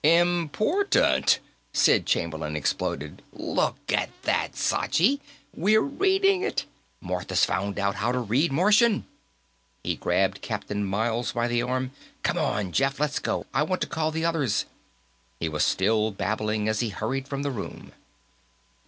"Important?" Sid Chamberlain exploded. "Look at that, Sachi! We're reading it! Martha's found out how to read Martian!" He grabbed Captain Miles by the arm. "Come on, Jeff; let's go. I want to call the others " He was still babbling as he hurried from the room.